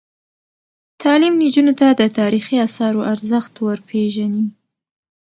تعلیم نجونو ته د تاریخي اثارو ارزښت ور پېژني.